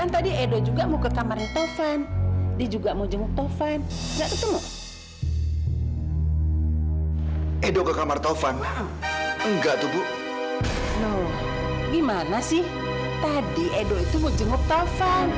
tadi edo itu mau jenguk taufan